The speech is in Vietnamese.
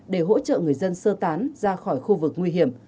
để hỗ trợ người dân sơ tán ra khỏi khu vực nguy hiểm